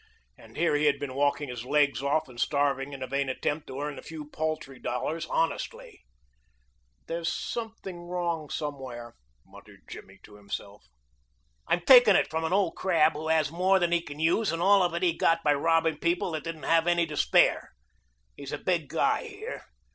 And here he had been walking his legs off and starving in a vain attempt to earn a few paltry dollars honestly. "There's something wrong somewhere," muttered Jimmy to himself. "I'm taking it from an old crab who has more than he can use, and all of it he got by robbing people that didn't have any to spare. He's a big guy here.